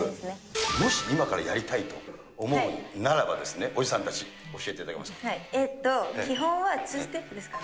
もし今からやりたいと思うならば、おじさんたち、教えていた基本はツーステップですかね。